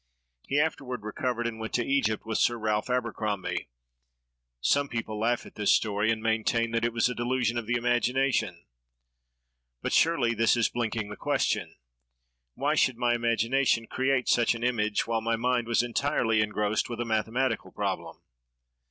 "He afterward recovered, and went to Egypt with Sir Ralph Abercrombie. Some people laugh at this story, and maintain that it was a delusion of the imagination; but surely this is blinking the question! Why should my imagination create such an image, while my mind was entirely engrossed with a mathematical problem?"